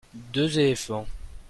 deux éléphants.